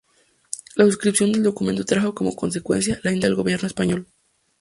La suscripción del documento trajo como consecuencia la independencia del Gobierno Español.